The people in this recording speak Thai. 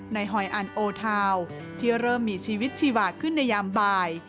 ในโหยอาลโอเทาที่เริ่มมีชีวิตชีวาคืนในยามบ่าย